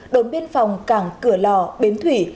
đội biên phòng cảng cửa lò bến thủy